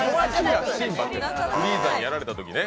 フリーザにやられたときにね。